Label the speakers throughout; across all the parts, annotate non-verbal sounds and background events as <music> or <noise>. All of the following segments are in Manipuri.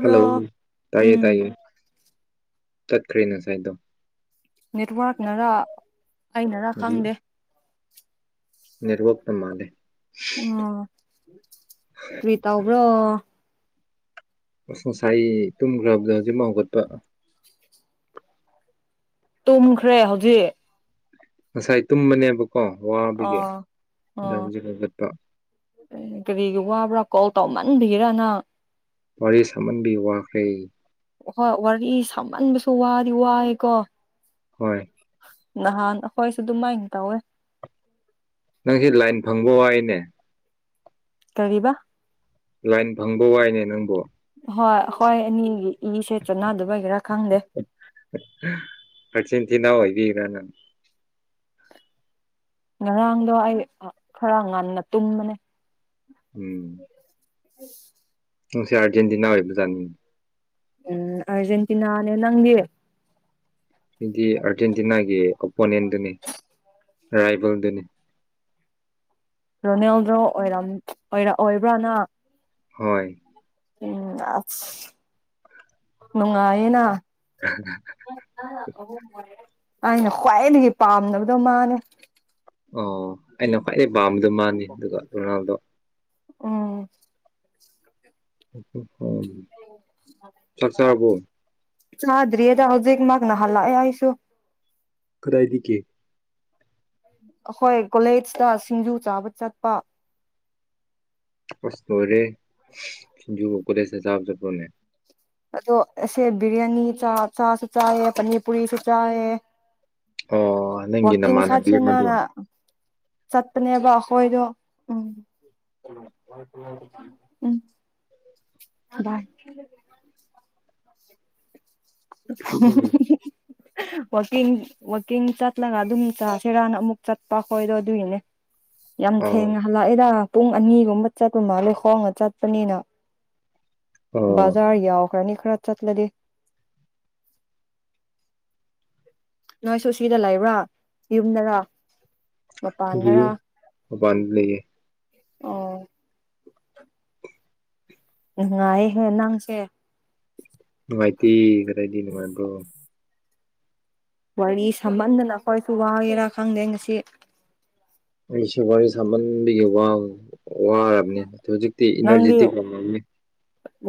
Speaker 1: ꯍꯂꯣ ꯇꯥꯏꯌꯦ
Speaker 2: ꯎꯝ
Speaker 1: ꯇꯥꯏꯌꯦ ꯆꯠꯈ꯭ꯔꯦ ꯅ ꯁꯥꯏꯗꯣ
Speaker 2: ꯅꯦꯠꯋꯥꯔꯛꯅꯔ ꯑꯩꯅꯔꯥ ꯈꯪꯗꯦ
Speaker 1: ꯔꯣꯛꯇ ꯃꯥꯂꯦ
Speaker 2: ꯑꯣ ꯀꯔꯤ ꯇꯕ꯭ꯔꯣ
Speaker 1: ꯑꯁ ꯉꯁꯥꯏ ꯇꯨꯝꯈ꯭ꯔꯕꯗ ꯍꯧꯖꯤꯛ ꯍꯧꯒꯠꯄ
Speaker 2: ꯇꯨꯝꯈ꯭ꯔꯦ ꯍꯧꯖꯤꯛ
Speaker 1: ꯉꯁꯥꯏ ꯇꯨꯝꯕꯅꯦꯕꯀꯣ ꯋꯥꯕꯒꯤ
Speaker 2: ꯑꯣ
Speaker 1: ꯑꯗꯣ ꯍꯧꯖꯤꯛ ꯍꯧꯒꯠꯄ
Speaker 2: ꯑꯦ ꯀꯔꯤꯒꯤ ꯋꯥꯕ꯭ꯔꯥ ꯀꯣꯜ ꯇꯧꯃꯟꯕꯤꯒꯔꯅꯪ
Speaker 1: ꯋꯥꯔꯤꯔꯤ ꯁꯃꯟꯕꯤ ꯋꯥꯀꯩ
Speaker 2: ꯍꯣꯏ ꯋꯥꯔꯤ ꯁꯥꯃꯟꯕꯁꯨ ꯋꯥꯗꯤ ꯋꯥꯏꯀꯣ
Speaker 1: ꯍꯣꯏ
Speaker 2: ꯅꯍꯥꯟ ꯍꯣꯏꯁꯨ ꯑꯗꯨꯃꯥꯏꯅ ꯇꯧꯋꯦ
Speaker 1: ꯅꯪꯁꯤ ꯂꯥꯏꯟ ꯐꯪꯕ ꯋꯥꯏꯅꯦ
Speaker 2: ꯀꯔꯤꯕ
Speaker 1: ꯂꯥꯏꯟ ꯐꯪꯕ ꯋꯥꯏꯅꯦ ꯅꯪꯕꯨ
Speaker 2: ꯍ ꯍꯣꯏ ꯅꯒꯤ ꯏꯁꯦ ꯆꯥꯟꯅꯗꯕꯒꯤꯔ ꯈꯪꯗꯦ
Speaker 1: ꯏꯒ
Speaker 2: ꯉꯔꯥꯡꯗꯣ ꯑꯩ ꯈꯔ ꯉꯟꯅ ꯇꯨꯝꯕꯅꯦ
Speaker 1: ꯎꯝ
Speaker 2: ꯎ
Speaker 1: ꯉꯪꯁꯦ ꯑꯔꯖꯦꯟꯇꯤꯅꯥ ꯑꯣꯏꯕꯖꯥꯅꯤꯡ
Speaker 2: ꯎꯝ ꯑꯔꯖꯦꯟꯇꯤꯅꯥꯅꯦ ꯅꯪꯗꯤꯔ
Speaker 1: ꯁꯤꯗꯤ ꯑꯥꯔꯖꯦꯟꯇꯤꯅꯥꯒꯤ ꯑꯣꯄꯣꯅꯦꯟꯗꯨꯅꯤ ꯔꯥꯏꯕꯦꯜꯗꯨꯅꯤ
Speaker 2: ꯔꯣꯅꯦꯜꯗꯣ ꯑꯣꯏꯔ ꯑꯣꯏ ꯑꯣꯏꯕ꯭ꯔꯅ
Speaker 1: ꯍꯣꯏ
Speaker 2: ꯎꯝ ꯑꯁ ꯅꯨꯡꯉꯥꯏꯌꯦꯅ
Speaker 1: ꯎ
Speaker 2: ꯑꯩꯅ ꯈ꯭ꯋꯥꯏꯗꯒꯤ ꯄꯥꯝꯅꯕꯗꯣ ꯃꯥꯅꯦ
Speaker 1: ꯑꯣ ꯑꯩꯅ ꯈ꯭ꯋꯥꯏꯗꯒꯤꯩ ꯄꯥꯝꯕꯗꯣ ꯃꯥꯅꯤ ꯑꯗꯨꯒ ꯔꯣꯅꯥꯜꯗꯣ
Speaker 2: ꯎꯝ
Speaker 1: ꯎꯝꯦ
Speaker 2: ꯀ ꯆꯥꯗ꯭ꯔꯤꯌꯦꯗ ꯍꯧꯖꯤꯛ ꯃꯥꯒ ꯅꯍꯜꯂꯑ ꯌꯥꯁꯨ
Speaker 1: ꯈꯗꯥꯏꯗꯤ ꯀꯦ
Speaker 2: ꯑꯩꯈꯣꯏ ꯀꯣꯂꯦꯖꯇ ꯁꯤꯡꯖꯨ ꯆꯥꯕ ꯆꯠꯄ
Speaker 1: ꯎ ꯇꯣꯔꯦ ꯈꯟꯖꯨ ꯀꯧꯕ ꯈꯨꯂꯦ ꯁ ꯁꯥꯐ ꯐꯣꯟꯅꯦ
Speaker 2: ꯑꯗꯣꯁꯦ ꯕꯤꯔꯌꯥꯅꯤ ꯆꯥ ꯆꯥꯁꯨ ꯆꯥꯏꯦ ꯄꯅꯤꯔ ꯄꯨꯨꯔꯤꯁꯨ ꯆꯥꯏꯦ
Speaker 1: ꯑꯣ ꯅꯪꯒꯤ
Speaker 2: ꯋꯥꯀꯤꯡ ꯁꯥ
Speaker 1: ꯅꯃꯥꯟꯅꯕꯤ ꯑꯃꯗꯣ
Speaker 2: ꯅ ꯆꯠꯄꯅꯦꯕ ꯑꯩꯈꯣꯏꯗꯣ ꯎꯝ ꯎꯝ ꯏ <unintelligible> ꯋꯥꯛꯀꯤꯡ ꯋꯥꯛꯀꯤꯡ ꯆꯠꯂꯒ ꯑꯗꯨꯝ ꯆ ꯁꯦꯔꯥꯟ ꯑꯃꯨꯛ ꯆꯠꯄ ꯈꯣꯏꯗꯣ ꯑꯗꯨꯏꯅꯦ ꯌꯥꯝ
Speaker 1: ꯑꯣ
Speaker 2: ꯊꯦꯡꯅ ꯍꯜꯂꯛꯑꯦꯗ ꯄꯨꯡ ꯑꯅꯤꯒꯨꯝꯕ ꯆꯠꯄꯃ ꯂꯩꯈꯣꯡꯒ ꯆꯠꯄꯅꯤꯅ
Speaker 1: ꯑꯣ
Speaker 2: ꯕꯥꯖꯔ ꯌꯥꯎ ꯈꯔꯅꯤ ꯈꯔ ꯆꯠꯂ ꯗ ꯅꯣꯏ ꯁꯨ ꯁꯤꯗ ꯂꯩꯕ꯭ꯔꯥ ꯌꯨꯝꯗꯔꯥ ꯃꯄꯥ ꯑꯅꯔ
Speaker 1: ꯃꯕꯥꯥꯟ ꯂꯩꯦ
Speaker 2: ꯑꯣ ꯅꯨꯡꯉꯥꯏꯍꯦ ꯅꯪꯁꯦ
Speaker 1: ꯅꯨꯡꯉꯥꯏꯇ ꯀꯗꯥꯗꯤ ꯅꯨꯡꯉꯥꯏꯒꯣ
Speaker 2: ꯋꯥꯔꯤ ꯁꯝꯍꯟꯗꯅ ꯑꯩꯈꯣꯏꯁꯨ ꯋꯥꯒꯦꯔꯥ ꯈꯪꯗꯦ ꯉꯁꯤ
Speaker 1: ꯃꯁꯤ ꯋꯥꯔꯤ ꯋꯥꯔꯤ ꯁꯃꯗꯤ ꯌꯕ ꯋꯥꯔꯕꯅꯤ ꯍꯧꯖꯤꯛꯇꯤ
Speaker 2: ꯅꯪꯗꯤ
Speaker 1: ꯏꯅꯔꯖꯤꯇꯤ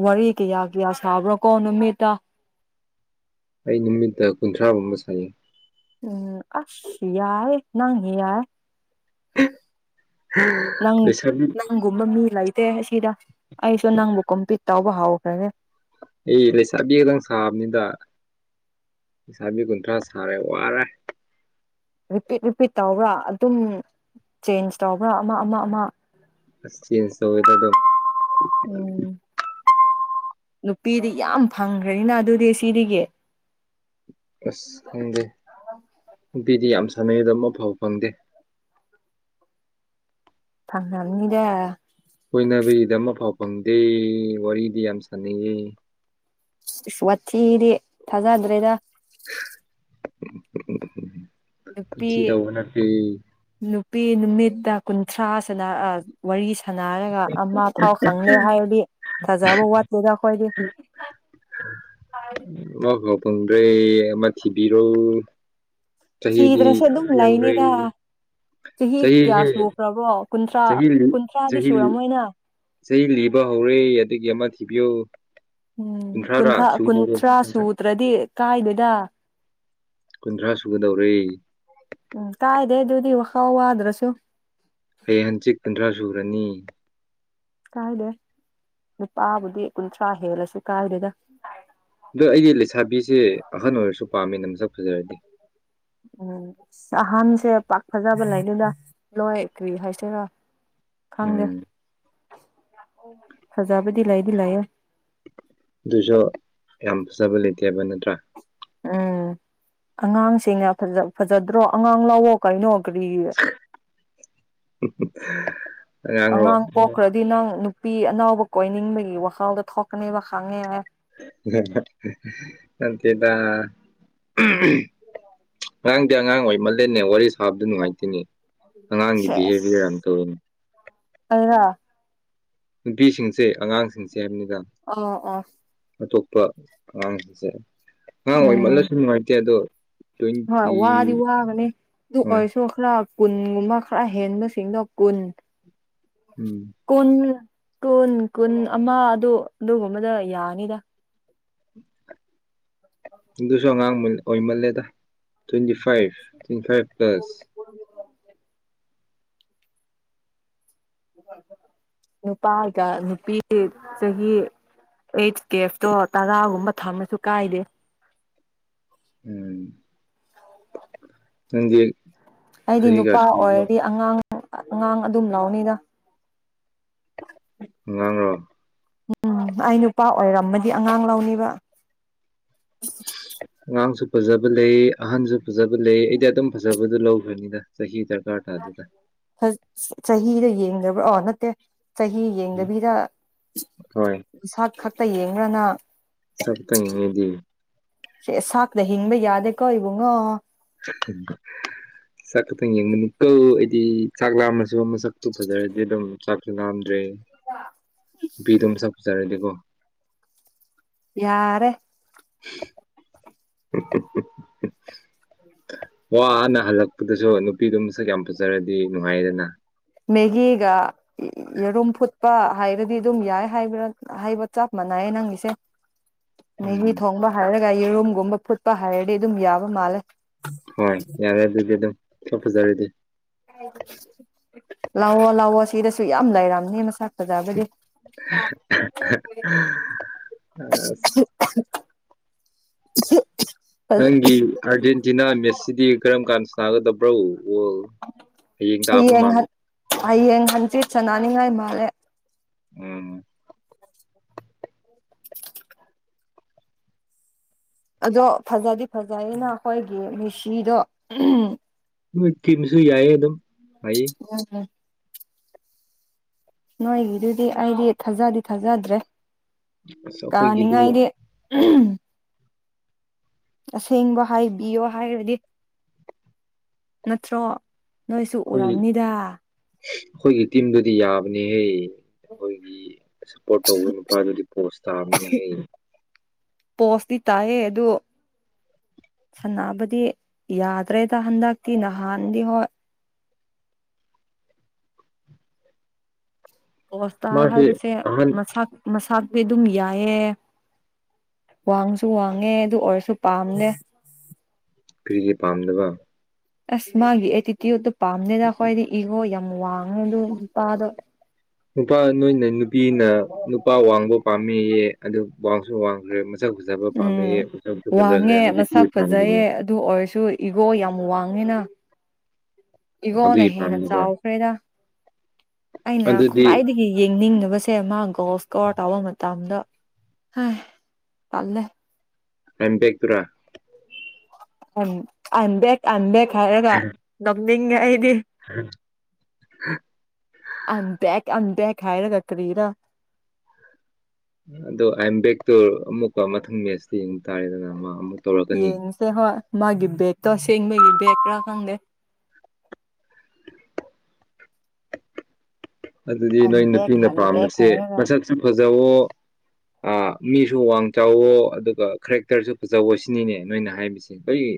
Speaker 2: ꯋꯥꯔꯤ ꯀꯌꯥ ꯀꯌꯥ ꯁꯥꯕ꯭ꯔꯣ ꯀꯣ ꯅꯨꯃꯤꯠꯇ
Speaker 1: ꯑꯩ ꯅꯨꯃꯤꯠꯇ ꯀꯨꯟꯊ꯭ꯔꯥꯃꯨꯝꯝ ꯑꯃ ꯁꯥꯏ
Speaker 2: ꯎꯝ ꯑꯁ ꯌꯥꯔ ꯅꯏ ꯌꯥꯔ ꯅꯪ
Speaker 1: ꯂꯩꯁꯥꯕꯤ
Speaker 2: ꯅꯪꯃꯃꯤ ꯂꯥꯏ ꯦ ꯑꯁꯤꯗ ꯑꯩꯁꯨ ꯅꯪꯕꯨ ꯀꯣꯝꯄꯤꯠ ꯇꯥꯎꯕ ꯍꯥꯎꯈ꯭ꯔꯅꯦꯦ
Speaker 1: ꯑꯩ ꯂꯩꯁꯥꯕꯤ ꯈꯛꯇꯪ ꯁꯥꯕꯅꯤꯗ ꯄꯁꯥꯕꯤ ꯀꯨꯟꯊ꯭ꯔꯥ ꯁꯥꯔꯦ ꯋꯥꯔꯦ
Speaker 2: ꯔꯤꯄꯤꯠ ꯔꯤꯄꯤꯠ ꯇꯧꯕ꯭ꯔꯥ ꯑꯗꯨꯝ ꯆꯦꯟꯖ ꯇꯧꯕ꯭ꯔꯥ ꯑꯃ ꯑꯃ ꯑꯃ
Speaker 1: ꯑꯁ ꯆꯦꯟꯁꯨ ꯑꯣꯏꯣꯏꯗ ꯑꯗꯨꯣ
Speaker 2: ꯎꯝ ꯅꯨꯄꯤꯗꯤ ꯌꯥꯝ ꯐꯪꯈ꯭ꯔꯅꯤꯅ ꯑꯗꯨꯗꯤ ꯁꯤꯗꯤꯗꯒꯤ
Speaker 1: ꯑꯁ ꯈꯪꯗꯦ ꯑꯗꯨꯗꯤ ꯌꯥꯝ ꯁꯥꯟꯅꯩꯗꯝ ꯑꯐꯥꯎ ꯐꯪꯗꯦ
Speaker 2: ꯐꯪꯗ
Speaker 1: ꯀꯣꯏꯅꯕꯒꯤꯗ ꯑꯃꯐꯥꯎ ꯐꯪꯗꯦ ꯋꯥꯔꯤꯗꯤ ꯌꯥꯝ ꯁꯥꯟꯅꯑ
Speaker 2: ꯋꯥꯊꯤꯗꯤ ꯊꯥꯖꯗ꯭ꯔꯦꯗ ꯅꯨꯄꯤ
Speaker 1: ꯊꯤ ꯇꯧꯕ ꯅꯄꯤ
Speaker 2: ꯅꯨꯄꯤ ꯅꯨꯃꯤꯠꯇ ꯀꯨꯟꯊ꯭ꯔꯥꯁꯤꯅ ꯋꯥꯔꯤ ꯁꯥꯟꯅ ꯍꯥꯏꯔꯒ ꯑꯃ ꯊꯥꯎ ꯈꯪꯗꯦ ꯍꯥꯏꯔꯗꯤ ꯊꯥꯖꯕ ꯋꯥꯠꯇꯦꯗ ꯑꯩꯈꯣꯏꯗꯤ <inaudible>
Speaker 1: ꯃ ꯐꯪꯗ꯭ꯔꯦ ꯃꯥꯥꯊꯤꯕꯤꯔꯣ
Speaker 2: ꯁꯤꯗ꯭ꯔꯁꯦ ꯑꯗꯨꯝꯂꯏꯅꯦꯒ ꯆꯍꯤ ꯀꯌꯥ
Speaker 1: ꯆꯍꯤꯁꯦ
Speaker 2: ꯁꯨꯈ꯭ꯔꯕ꯭ꯔꯣ ꯀꯨꯟꯊ꯭ꯔꯥ ꯀꯨꯟꯊ꯭ꯔꯥꯗꯤ ꯁꯨꯔꯝꯃꯣꯏꯅ
Speaker 1: ꯏꯁꯩ ꯂꯤꯕ ꯍꯧꯔꯦ ꯑꯗꯨꯒꯤ ꯑꯃ ꯊꯤꯕꯤꯌꯨ
Speaker 2: ꯎꯝ
Speaker 1: ꯀꯨꯟꯊ꯭ꯔꯥꯔꯥ
Speaker 2: ꯀꯨꯟꯊ꯭ꯔꯥ ꯀꯨꯟꯊ꯭ꯔꯥ
Speaker 1: ꯁꯨꯒꯗꯧꯔꯦ
Speaker 2: ꯁꯨꯗ꯭ꯔꯗꯤ ꯀꯥꯏꯗꯣꯏꯗ
Speaker 1: ꯀꯨꯟꯊ꯭ꯔꯥ ꯁꯨꯒꯗꯧꯔ
Speaker 2: ꯋꯥ ꯍꯥꯎꯋꯥꯗ꯭ꯔꯁꯨ
Speaker 1: ꯍꯩ ꯍꯟꯆꯤꯠ ꯀꯨꯟꯊ꯭ꯔꯥ ꯁꯨꯔꯅꯤ
Speaker 2: ꯀꯥꯏꯗꯦ ꯅꯨꯄꯥꯕꯨꯗꯤ ꯀꯨꯟꯊ꯭ꯔꯥ ꯍꯦꯜꯂꯁꯤ ꯀꯥꯏꯗꯦꯗ
Speaker 1: ꯑꯗꯣ ꯑꯩꯗꯤ ꯂꯩꯁꯥꯕꯤꯁꯦ ꯑꯍꯟ ꯑꯣꯏꯔꯁꯨ ꯄꯥꯝꯃꯤꯅ ꯃꯁꯛ ꯐꯖꯔꯗꯤ
Speaker 2: ꯎꯝ ꯑꯍꯟꯁꯦ ꯄꯥꯛ ꯐꯖꯕ ꯂꯩꯗꯨꯗ ꯂꯅꯨꯡꯥꯏ ꯀ꯭ꯔꯤ ꯍꯥꯏꯁꯦꯔꯥ ꯈꯪꯗꯦ
Speaker 1: ꯎꯝ
Speaker 2: ꯐꯖꯕꯗꯤ ꯂꯥꯏꯗꯤ ꯂꯥꯛꯌꯦꯦ
Speaker 1: ꯑꯗꯨꯁꯨ ꯌꯥꯝ ꯐꯖꯕ ꯂꯩꯇꯦꯕ ꯅꯠꯇ꯭ꯔꯥ
Speaker 2: ꯎꯝ ꯑꯉꯥꯡꯁꯤꯡꯅ ꯐꯖꯗ꯭ꯔꯣ ꯑꯉꯥꯡ ꯂꯥꯛꯑꯣꯣ ꯀꯩꯅꯣ ꯀꯔꯤ
Speaker 1: ꯑꯉꯥꯡꯔꯣ
Speaker 2: ꯑꯉꯥꯡ ꯄꯣꯛꯈ꯭ꯔꯗꯤ ꯅꯪ ꯄꯄꯤ ꯑꯅꯥꯎꯕ ꯀꯣꯏꯅꯤꯡꯕꯒꯤ ꯋꯥꯈꯜꯗꯣ ꯊꯣꯛꯀꯅꯦꯕ ꯈꯪꯉꯦ ꯍꯥꯏ
Speaker 1: ꯃꯠꯇꯗ ꯑꯉꯥꯡꯗꯤ ꯑꯉꯥꯡ ꯑꯣꯏꯃꯂꯦꯅꯦ ꯋꯥꯔꯤꯁꯦ ꯍꯥꯥꯕꯗꯨ ꯅꯨꯡꯉꯥꯏꯇꯣꯏꯅꯦ ꯑꯉꯥꯡꯒꯤ
Speaker 2: ꯁꯦꯁ
Speaker 1: ꯕꯤꯍꯦꯕꯤꯌꯔ ꯌꯥꯝ ꯇꯧꯋꯤꯅꯤ
Speaker 2: ꯑꯩꯔ
Speaker 1: ꯅꯨꯄꯤꯁꯤꯡꯁꯦ ꯑꯉꯥꯡꯁꯤꯡꯁꯦ ꯍꯥꯏꯕꯅꯤꯅ
Speaker 2: ꯑꯣ ꯑꯣ
Speaker 1: ꯑꯇꯣꯞ ꯑꯉꯥꯡꯁꯦ ꯑꯉꯥꯡ
Speaker 2: ꯎꯝ
Speaker 1: ꯑꯣꯏꯃꯜꯂꯁꯨ ꯅꯨꯡꯉꯥꯏꯇꯦ ꯑꯗꯣ
Speaker 2: ꯍꯣꯏ
Speaker 1: ꯇ꯭ꯋꯦꯟꯇꯤ
Speaker 2: ꯋꯥꯗꯤ ꯋꯥꯕꯅꯤ ꯑꯗꯨ
Speaker 1: ꯍꯣꯏ
Speaker 2: ꯑꯣꯏꯁꯨ ꯈꯔ ꯀꯨꯟꯒꯨꯝꯕ ꯈꯔ ꯍꯦꯟꯕꯁꯤꯡꯗꯣ ꯀꯨꯟ
Speaker 1: ꯎꯝ
Speaker 2: ꯀꯨꯟ ꯀꯨꯟ ꯀꯨꯟ ꯑꯃ ꯑꯗꯨ ꯑꯗꯨꯒꯨꯝꯕꯗ ꯌꯥꯅꯤꯗ
Speaker 1: ꯁꯨꯣ ꯑꯉꯥꯡꯥꯡ ꯑꯣꯏ ꯃꯜꯂꯦꯗ twenty five twenty five plus
Speaker 2: ꯅꯨꯄꯥꯒ ꯅꯨꯄꯤ ꯆꯍꯤ ꯑꯩꯠ ꯀꯦꯐꯇꯣ ꯇꯔꯥꯒꯨꯝꯕ ꯊꯝꯃꯁꯨ ꯀꯥꯏꯗꯦ
Speaker 1: ꯎꯝ
Speaker 2: ꯑꯩꯗꯤ
Speaker 1: ꯆꯍꯤ
Speaker 2: ꯅꯨꯄꯥ
Speaker 1: ꯀꯌꯥ ꯁꯨꯔꯕ꯭ꯔꯣ
Speaker 2: ꯑꯣꯏꯔꯗꯤ ꯑꯉꯥꯡ ꯑꯉꯥꯡ ꯑꯗꯨꯝ ꯂꯥꯎꯅꯤꯗ
Speaker 1: ꯉ꯭ꯔꯣ
Speaker 2: ꯎꯝ ꯑꯩ ꯅꯨꯄꯥ ꯑꯣꯏꯔꯝꯃꯗꯤ ꯑꯉꯥꯡ ꯂꯧꯅꯤꯕ
Speaker 1: ꯑꯉꯥꯡꯁꯨ ꯐꯖꯕ ꯂꯩ ꯑꯍꯟꯁꯨ ꯐꯖꯕ ꯂꯩ ꯑꯩꯗꯤ ꯑꯗꯨꯝ ꯐꯖꯕꯗꯨ ꯂꯧꯈ꯭ꯔꯅꯤꯅ ꯆꯍꯤꯗ ꯆꯇꯗꯤꯗ
Speaker 2: ꯆꯍꯤꯗꯣ ꯌꯦꯡꯗꯕ꯭ꯔꯥ ꯑꯣ ꯅꯠꯇꯦ ꯆꯍꯤ ꯌꯦꯡꯗꯕꯤꯗ
Speaker 1: ꯍꯣꯏ
Speaker 2: ꯏꯁꯥ ꯈꯛ ꯇꯌꯦꯡꯒꯅ
Speaker 1: ꯁꯕ ꯀꯩꯗꯤ
Speaker 2: ꯌꯥꯗꯀꯣ ꯏꯕꯉꯣ
Speaker 1: ꯊꯦꯡ ꯆꯥꯛ ꯈꯛꯇꯪ ꯌꯦꯡꯕꯅꯤ ꯀꯧ ꯑꯩꯗꯤ ꯆꯥꯛ ꯂꯥꯝꯃꯁꯨ ꯃꯁꯛꯇꯨ ꯐꯖꯔꯗꯤ ꯑꯗꯨꯝ ꯆꯥꯛꯁꯨ ꯂꯥꯝꯗ꯭ꯔꯦ ꯕꯤ ꯑꯗꯨꯝ ꯆꯐꯖꯔꯗꯤꯦꯀꯣ
Speaker 2: ꯌꯥꯔꯦ
Speaker 1: ꯍ ꯋꯥ ꯍꯥꯟꯅ ꯍꯜꯂꯛꯄꯗꯁꯨ ꯅꯨꯄꯤꯗꯨꯝ ꯁꯛꯀ ꯌꯥꯝꯌꯥꯝ ꯐꯠꯆꯔꯗꯤ ꯅꯨꯡꯉꯥꯏꯗꯅ
Speaker 2: ꯃꯦꯒꯤꯒ ꯌꯦꯔꯨꯝ ꯐꯨꯠ ꯆꯄ ꯍꯥꯏꯔꯗꯤ ꯑꯗꯨꯝ ꯌꯥꯏ ꯍꯥꯏꯕ ꯍꯥꯏꯕ ꯆꯞ ꯃꯥꯟꯅꯩꯌꯦ ꯅꯪꯒꯤꯁꯦ ꯃꯦꯒꯤ
Speaker 1: ꯎꯝ
Speaker 2: ꯊꯣꯡꯕ ꯍꯥꯏꯔꯒ ꯌꯦꯔꯨꯝꯒꯨꯝꯕ ꯐꯨꯠꯄ ꯍꯥꯏꯔꯗꯤ ꯑꯗꯨꯝ ꯌꯥꯕ ꯃꯥꯜꯂꯦ
Speaker 1: ꯍꯣꯏ ꯌꯥꯔꯦ ꯑꯗꯨꯗꯤ ꯑꯗꯨꯝ ꯐꯖꯔꯗꯤ
Speaker 2: ꯂꯥꯛꯑꯣ ꯂꯥꯛꯑꯣ ꯁꯤꯗꯁꯨ ꯌꯥꯝ ꯂꯩꯔꯝꯅꯤ ꯃꯁꯛ ꯆꯗꯥꯕꯗꯤ <inaudible>
Speaker 1: ꯑꯁ ꯅꯪꯒꯤ ꯑꯥꯔꯖꯦꯟꯇꯤꯅꯥ ꯃꯦꯠꯁꯁꯤꯗꯤ ꯀꯔꯝ ꯀꯥꯟꯗ ꯁꯥꯥꯟꯒꯗꯕ꯭ꯔꯣ
Speaker 2: ꯍꯌꯦꯡ ꯍꯌꯦꯡ ꯍꯟꯆꯤꯠ ꯆꯅꯥꯅꯤꯡꯉꯥꯏ ꯃꯥꯜꯂꯦ
Speaker 1: ꯎꯝ
Speaker 2: ꯑꯗꯣ ꯐꯖꯗꯤ ꯐꯖꯌꯦꯅ ꯑꯩꯈꯣꯏꯒꯤ ꯃꯤꯁꯤꯗꯣ
Speaker 1: ꯅꯣꯏ ꯊꯤꯝꯁꯨ ꯌꯥꯏꯌꯦ ꯑꯗꯨꯝ ꯍꯩ
Speaker 2: ꯎ ꯍ ꯅꯣꯏꯒꯤꯗꯨꯗꯤ ꯑꯩꯗꯤ ꯊꯥꯖꯗꯤ ꯊꯥꯖꯗ꯭ꯔꯦ
Speaker 1: ꯑꯁ ꯑꯩꯈꯣꯏꯒꯤꯗꯤ
Speaker 2: ꯎ ꯑꯁꯦꯡꯕ ꯍꯥꯏꯕꯤꯌꯣ ꯍꯥꯏꯔꯗꯤ ꯅꯠꯇ꯭ꯔꯣ ꯅꯣꯏꯁꯨ
Speaker 1: ꯑꯩꯈꯣꯏ
Speaker 2: ꯎꯔꯝꯅꯤꯗ
Speaker 1: ꯑꯩꯈꯣꯏꯒꯤ ꯇꯤꯝꯗꯨꯗꯤ ꯌꯥꯕꯅꯦꯍꯦ ꯑꯩꯈꯣꯏꯒꯤ ꯁꯞꯄꯣꯔꯠ ꯇꯧꯕ ꯅꯨꯄꯥꯗꯨꯗꯤ ꯄꯣꯁ ꯇꯥꯕꯅꯤ ꯍ
Speaker 2: ꯄꯣꯁꯇꯤ ꯇꯥꯏꯌꯦ ꯑꯗꯨ ꯁꯥꯟꯅꯕꯗꯤ ꯌꯥꯗ꯭ꯔꯦꯗ ꯍꯟꯗꯛꯇꯤ ꯅꯍꯥꯟꯗꯤ ꯍꯣꯏ ꯑꯣꯣꯁꯇꯥ
Speaker 1: ꯃꯥꯁꯦ ꯑꯍꯟ
Speaker 2: ꯍꯥꯏꯕꯁꯦꯁ ꯃꯁꯇꯤ ꯑꯗꯨꯝ ꯌꯥꯏꯌꯦ ꯋꯥꯡꯁꯨ ꯋꯥꯡꯉꯦ ꯑꯗꯨ ꯑꯣꯏꯔꯁꯨ ꯄꯥꯝꯅꯦ
Speaker 1: ꯐꯔꯤꯒꯤ ꯄꯥꯝꯗꯕ
Speaker 2: ꯑꯁ ꯃꯥꯒꯤ ꯑꯦꯇꯤꯇ꯭ꯌꯨꯠꯇꯣ ꯄꯥꯝꯅꯦꯗ ꯑꯩꯈꯣꯏꯗꯤ ꯏꯉꯣ ꯌꯥꯝ ꯋꯥꯡꯉꯦꯗ ꯅꯨꯄꯥꯗꯣ
Speaker 1: ꯅꯨꯄꯥ ꯅꯣꯏꯅ ꯅꯨꯄꯤꯅ ꯅꯨꯄꯥ ꯋꯥꯡꯕ ꯄꯥꯝꯃꯦꯌꯦ ꯑꯗꯨ ꯋꯥꯁ ꯋꯥꯁꯦ
Speaker 2: ꯎꯝ ꯋꯥꯡꯉꯦ
Speaker 1: ꯑꯗꯨꯗꯤ
Speaker 2: ꯃꯁꯥꯛ
Speaker 1: ꯀꯔꯤ ꯄꯥꯝꯗꯕ
Speaker 2: ꯐꯖꯩꯌꯦꯦ ꯑꯗꯨ ꯑꯣꯏꯔꯁꯨ ꯏꯒꯣ ꯌꯥꯝ ꯋꯥꯡꯉ ꯑꯅꯤꯅ ꯏꯒꯣꯅꯦ
Speaker 1: ꯑꯗꯨꯒꯤ
Speaker 2: ꯍꯦ ꯅ
Speaker 1: ꯄꯥꯝꯗꯕ
Speaker 2: ꯆꯥꯎ ꯀꯦꯗ ꯑꯩꯅ
Speaker 1: ꯑꯗꯨꯗꯤ
Speaker 2: ꯀꯥꯏꯗꯒꯤ ꯌꯦꯡꯅꯤꯡ ꯅꯨ ꯁꯦ ꯃꯥ ꯒꯣ ꯏꯁꯀꯣꯔ ꯇꯥꯕ ꯃꯇꯝꯗ ꯍꯥꯏ ꯇꯜꯂꯦ
Speaker 1: ꯑꯝꯄꯦꯛꯇꯨꯔꯥ
Speaker 2: ꯑꯟꯕ ꯑꯟꯕꯦ ꯍꯥꯏꯔꯒ ꯅ
Speaker 1: ꯍ
Speaker 2: ꯑꯗ ꯑꯗꯦ ꯈꯥꯏꯔ ꯀ ꯀꯔꯤꯔ
Speaker 1: ꯑꯗꯣ ꯑꯥꯏ ꯑꯦꯝ ꯕꯦꯛꯇꯨ ꯑꯃꯨꯛꯀ ꯃꯊꯪ ꯃꯦꯁꯇ ꯌꯦꯡꯕ ꯇꯥꯔꯦꯗꯅ ꯃꯥ ꯑꯃꯨ
Speaker 2: ꯌꯦ ꯅꯁ ꯍ ꯃꯥꯒꯤ ꯕꯦꯒꯛꯇꯣ ꯑꯁꯦꯡꯕꯒꯤ ꯕꯦꯒ ꯀꯔ ꯈꯪꯗꯦ
Speaker 1: ꯑꯗꯨꯗꯤ
Speaker 2: ꯑꯥꯏꯝ
Speaker 1: ꯅꯣꯏ
Speaker 2: ꯕꯦꯛ
Speaker 1: ꯅꯨꯄꯤꯅ
Speaker 2: ꯑꯥꯏꯝ ꯕꯦꯛ
Speaker 1: ꯄꯥꯝꯕꯁꯦ
Speaker 2: ꯍꯥꯏꯔꯒ
Speaker 1: ꯃꯁꯛꯁꯨ ꯐꯖꯋꯣ ꯃꯤꯁꯨ ꯋꯥꯡ ꯆꯥꯎꯋꯣ ꯑꯗꯨꯒ ꯀꯔꯦꯛꯇꯔꯁꯨ ꯐꯖꯋ ꯁꯤꯅꯤꯅꯦ ꯅꯣꯏꯅ ꯍꯥꯏꯕꯁꯦ ꯑꯩꯣꯏ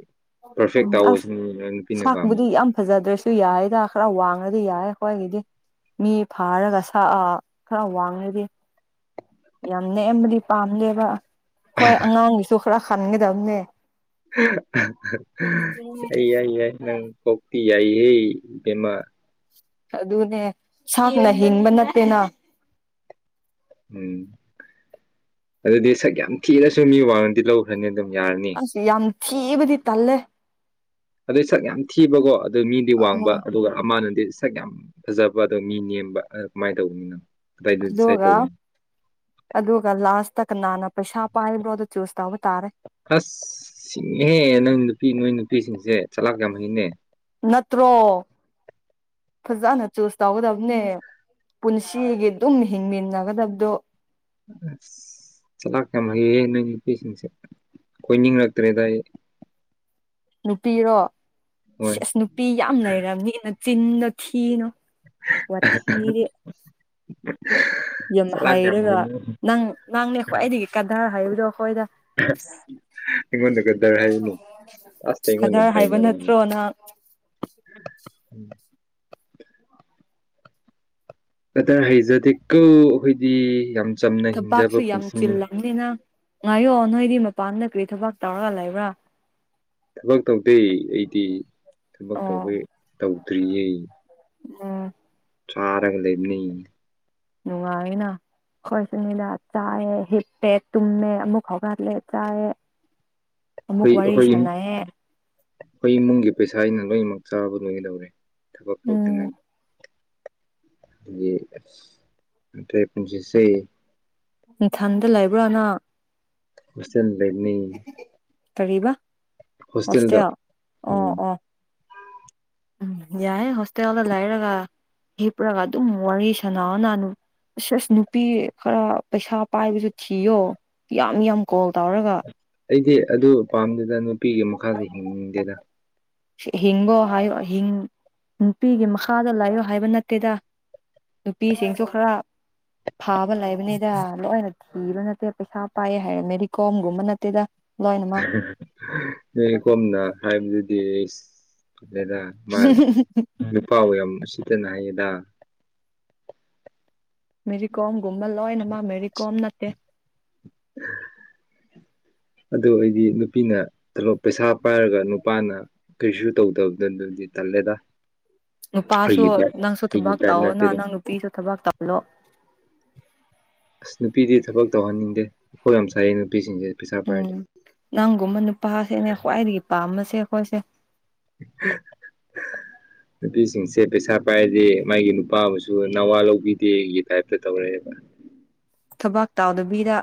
Speaker 2: ꯎꯝ ꯑꯁ ꯁꯥꯛꯄꯨꯗꯤ
Speaker 1: ꯄꯥꯝꯕꯁꯦ
Speaker 2: ꯌꯥꯝ ꯐꯖꯗ꯭ꯔꯦꯁꯨ ꯌꯥꯔꯗ ꯈꯔ ꯋꯥꯡ ꯑꯗꯨ ꯌꯥꯔꯦ ꯑꯩ꯭ꯋꯥꯣꯏꯒꯤꯗꯤ ꯃꯤ ꯐꯥꯔꯒꯛꯑ ꯈꯔ ꯋꯥꯡꯉꯗꯤ ꯌꯥꯝ ꯅꯦꯝꯦꯝꯕꯗꯤ ꯄꯥꯝꯗꯦꯕ ꯍꯣꯏ ꯑꯉꯥꯡꯒꯤꯁꯨ ꯈꯔ ꯈꯟꯒꯗꯕꯅꯦ
Speaker 1: ꯑꯩꯏꯏ ꯅꯪ ꯍꯣꯛꯇ ꯌꯥꯏꯍꯦ ꯃꯥ
Speaker 2: ꯑꯗꯨꯅꯦ ꯁꯥꯡꯅ ꯍꯤꯡꯕ ꯅꯠꯇꯦꯅ
Speaker 1: ꯎꯝ ꯑꯗꯨꯗꯤ ꯁꯛ ꯌꯥꯝ ꯊꯤꯔꯁꯨ ꯃꯤ ꯋꯥꯔꯗꯤ ꯂꯧꯈ꯭ꯔꯅꯤ ꯑꯗꯨꯝ ꯌꯥꯔꯅꯤ
Speaker 2: ꯑꯁ ꯌꯥꯝ ꯊꯤꯕꯗꯤ ꯇꯜꯂꯦ
Speaker 1: ꯑꯗꯨ ꯁꯛ ꯌꯥꯝ ꯊꯤꯕꯀꯣ ꯑꯗꯨ ꯃꯤꯗꯤ ꯋꯥꯡꯕ
Speaker 2: ꯎꯝ
Speaker 1: ꯑꯗꯨꯒ ꯑꯃꯅꯗꯤ ꯁꯛ ꯌꯥꯝ ꯐꯖꯕ ꯑꯣ ꯃꯤ ꯅꯦꯝꯕ ꯀꯃꯥꯏꯅ ꯇꯧꯕꯅꯤꯅꯪ
Speaker 2: ꯑꯗꯨꯒ ꯑꯗꯨꯒ ꯂꯥꯁ ꯇ ꯀ ꯅꯅꯥ ꯄꯩꯁꯥ ꯄꯥꯏꯕ꯭ꯔꯣ ꯑꯗꯨ ꯆꯨꯁ ꯇ
Speaker 1: ꯑꯁꯍꯦ ꯅꯪ ꯅꯨꯄꯤ ꯅꯣꯏ ꯅꯨꯄꯤꯁꯤꯡꯁꯦ ꯆꯠꯂꯥꯛꯀꯍꯩꯅꯦ
Speaker 2: ꯅꯠꯇ꯭ꯔꯣ ꯐꯖꯅ ꯆꯨꯁ ꯇꯧꯒꯗꯕꯅꯦ ꯄꯨꯟꯁꯤꯒꯤ ꯑꯗꯨꯝ ꯍꯤꯡꯃꯤꯟꯅꯒꯗꯕꯗꯣ
Speaker 1: ꯆꯂ ꯀꯃ ꯄꯁꯦ ꯑꯩꯈꯣꯏ ꯅꯤꯡꯂꯛꯇ꯭ꯔꯦ ꯇꯥꯏꯌꯦ
Speaker 2: ꯅꯨꯄꯤꯔꯣ ꯁꯤ ꯑꯁ ꯅꯨꯄꯤ ꯌꯥꯝ ꯂꯩꯔꯕꯝꯅꯤꯅ ꯆꯤꯟꯅ ꯊꯤꯅꯣ ꯄꯊꯤ ꯌꯥꯝ
Speaker 1: ꯆꯂꯥꯛ
Speaker 2: ꯍꯥꯏꯩꯔꯒ
Speaker 1: ꯍꯩꯌꯦ
Speaker 2: ꯅꯪ ꯅꯪꯅꯦ ꯑꯩꯈꯣꯏ ꯑꯩꯗꯒꯤ ꯀꯥꯙꯔ ꯍꯥꯏꯕꯗꯣ ꯑꯩꯈꯣꯏꯗ
Speaker 1: ꯏꯉꯟꯅꯒꯗꯔ ꯍꯥꯏꯅꯤ
Speaker 2: ꯈꯗꯔ ꯍꯥꯏꯕ ꯅꯠꯇ꯭ꯔꯣ ꯅꯍ
Speaker 1: ꯎꯝ ꯑꯇ ꯍꯩꯖꯗꯦꯀꯣ ꯑꯩꯈꯣꯏꯗꯤ ꯌꯥꯝ ꯆꯝꯅ ꯍꯤꯡꯖꯕ
Speaker 2: ꯊꯕꯥꯛꯁꯨ ꯌꯥꯝ
Speaker 1: ꯄꯨꯟꯁꯤꯅꯤ
Speaker 2: ꯆꯤꯜꯂꯝꯅꯤ ꯅꯪ ꯉꯥꯏꯌꯣ ꯅꯣꯏꯗꯤ ꯃꯄꯥꯟꯗ ꯀꯔꯤ ꯊꯕꯥꯛ ꯇꯧꯔꯒ ꯂꯩꯕ꯭ꯔꯥ
Speaker 1: ꯊꯕꯛ ꯇꯧꯗꯦ ꯑꯩꯗꯤ ꯊꯕꯛ
Speaker 2: ꯑꯣ
Speaker 1: ꯇꯧꯕ ꯇꯧꯗ꯭ꯔꯤꯌꯦ
Speaker 2: ꯎꯝ
Speaker 1: ꯆꯥꯔꯒ ꯂꯩꯅ
Speaker 2: ꯅꯨꯡꯉꯥꯏꯑꯅ ꯀꯣꯏꯁꯨꯅꯤꯗ ꯆꯥꯌꯦꯦ ꯍꯤꯇꯦ ꯇꯨꯝꯃꯦꯃꯦ ꯑꯃꯨꯛ ꯍꯒꯔꯂꯦ ꯆꯥꯦ
Speaker 1: ꯑꯩꯣꯏ ꯑꯩꯈꯣꯏ ꯑꯩꯈꯣꯏ ꯏꯃꯨꯡꯒꯤ ꯄꯩꯁꯥ ꯑꯩꯅ ꯂꯣꯏꯅꯃꯛ ꯆꯥꯕ ꯂꯣꯏꯅ ꯂꯧꯧꯔꯦ ꯊꯕꯛ ꯄ꯭ꯔꯣꯕ꯭
Speaker 2: ꯎꯝ
Speaker 1: ꯄꯨꯁꯦ
Speaker 2: ꯏꯊꯟꯗ ꯂꯩꯕ꯭ꯔꯥꯅ
Speaker 1: ꯎꯆꯦ ꯂꯩꯅꯤ
Speaker 2: ꯇꯔꯤꯕ ꯍꯣꯁꯇꯦꯜ ꯑꯣ
Speaker 1: ꯎꯝ
Speaker 2: ꯑꯣ ꯎꯝ ꯌꯥꯏꯦ ꯍꯣꯁꯇꯦꯜꯗ ꯂꯩꯔꯒ ꯍꯤꯞꯄꯨꯔꯒ ꯑꯗꯨꯝ ꯋꯥꯔꯤ ꯁꯥꯟꯅꯥꯑꯣ ꯅꯥꯅꯨ ꯑꯁ ꯑꯁ ꯅꯨꯄꯤ ꯈꯔ ꯄꯩꯁꯥ ꯄꯥꯏꯕꯁꯨ ꯊꯤꯌꯣ ꯌꯥꯝ ꯌꯥꯝ ꯀꯣꯜ ꯇꯧꯔꯒ
Speaker 1: ꯑꯩꯗꯤ ꯑꯗꯨ ꯄꯥꯝꯗꯦꯗ ꯅꯨꯄꯤꯒꯤ ꯃꯈꯥꯗ ꯍꯤꯡꯅꯤꯡꯗꯦꯗ
Speaker 2: ꯍꯤꯡꯕꯣ ꯍꯥꯏꯌꯣ ꯅꯨꯄꯤꯒꯤ ꯃꯈꯥꯗ ꯂꯥꯛꯌꯣ ꯍꯥꯏꯕ ꯅꯠꯇꯦꯗ ꯅꯨꯄꯤꯁꯤꯡꯁꯨ ꯈꯔ ꯐꯥꯕ ꯂꯩꯕꯅꯤꯗ ꯂꯣꯏꯅ ꯊꯤꯕ ꯅꯠꯇꯦ ꯄꯩꯁꯥ ꯄꯥꯏ ꯍꯥꯏꯔ ꯃꯦꯔꯤ ꯀꯣꯝꯒꯨꯝꯕ ꯅꯠꯇꯦꯗ ꯂꯣꯏꯅꯃꯛ
Speaker 1: ꯀꯣꯝꯅ ꯍꯥꯏꯕꯗꯨꯗꯤ ꯑꯩꯁ ꯑꯗꯨꯗ ꯃꯥ ꯅꯨꯄꯥ ꯑꯣꯏ ꯌꯥꯝ ꯁꯤꯇꯅ ꯍꯥꯏꯌꯦ ꯑꯥ
Speaker 2: ꯃꯦꯔꯤ ꯀꯣꯝ ꯨꯝꯃ ꯂꯣꯣꯏ ꯅ ꯃꯥ ꯃꯦꯔꯤ ꯀꯣꯝ ꯅꯠꯇꯦ
Speaker 1: ꯑꯗꯨ ꯑꯩꯗꯤ ꯅꯨꯄꯤꯅ ꯊꯂꯣꯞ ꯄꯩꯁꯥ ꯄꯥꯏꯔꯒ ꯅꯨꯄꯥꯅ ꯀꯩꯁꯨ ꯇꯧꯗꯕꯗ ꯑꯗꯨꯗꯤ ꯇꯜꯂꯦꯗ
Speaker 2: ꯅꯨꯄꯥꯁꯨ
Speaker 1: ꯑꯩꯒꯤ ꯇꯥꯏꯞ
Speaker 2: ꯅꯪꯁꯨ
Speaker 1: ꯑꯩꯒꯤ
Speaker 2: ꯊꯕꯛ
Speaker 1: ꯇꯥꯏꯞ
Speaker 2: ꯇꯧꯑꯣꯣ ꯅ
Speaker 1: ꯅꯠꯇꯦꯗ
Speaker 2: ꯅꯪ ꯅꯨꯄꯤꯁꯨ ꯊꯕꯛ ꯇꯧꯂꯣ
Speaker 1: ꯑꯁ ꯅꯨꯄꯤꯗꯤ ꯊꯕꯛ ꯇꯧꯍꯟꯅꯤꯡꯗꯦ ꯑꯩꯈꯣꯠ ꯌꯥꯝ ꯆꯥꯏꯌꯦ ꯅꯨ
Speaker 2: ꯎꯝ ꯅꯪꯒꯨꯝꯕ ꯅꯨꯄꯥꯁꯦꯅꯦ ꯈ꯭ꯋꯥꯏꯗꯒꯤ ꯄꯥꯝꯃꯁꯦ ꯑꯩꯈꯣꯏꯁꯦ
Speaker 1: ꯅꯨꯄꯤꯁꯤꯡꯁꯦ ꯄꯩꯁꯥ ꯄꯥꯏꯁꯦ ꯃꯥꯒꯤ ꯑꯄꯥꯝꯕꯁꯨ ꯅꯋꯥ ꯂꯧꯕꯤꯗꯦꯒꯤ ꯇꯥꯏꯞꯇ ꯇꯧꯔꯛꯑꯦꯕ
Speaker 2: ꯊꯕꯥꯛ ꯇꯥꯎꯗꯕꯤꯗ